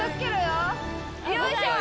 よいしょ！